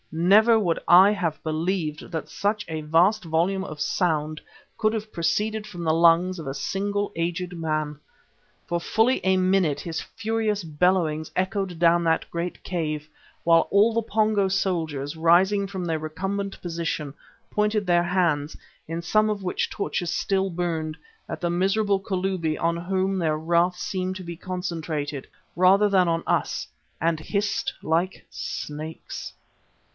Never would I have believed that such a vast volume of sound could have proceeded from the lungs of a single aged man. For fully a minute his furious bellowings echoed down that great cave, while all the Pongo soldiers, rising from their recumbent position, pointed their hands, in some of which torches still burned, at the miserable Kalubi on whom their wrath seemed to be concentrated, rather than on us, and hissed like snakes.